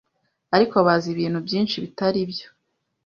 ariko bazi ibintu byinshi bitaribyo.